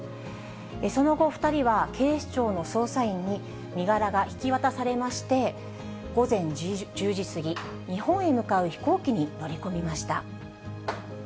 その後、２人は警視庁の捜査員に身柄が引き渡されまして、午前１０時過ぎ、日本へ向かう飛行機に乗り込みました。